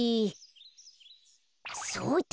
そうだ！